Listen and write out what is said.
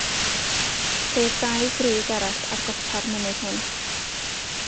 Ceir dau grug arall ar gopa'r mynydd hwn.